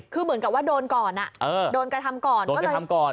คือเหมือนกับว่าโดนก่อนโดนกระทำก่อนก็เลยทำก่อน